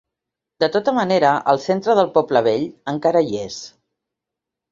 De tota manera, el centre del poble vell encara hi és.